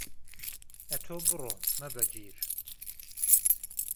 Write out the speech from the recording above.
ئهتۆ بڕو مهبه گیر